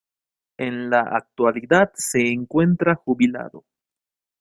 En la actualidad se encuentra jubilado.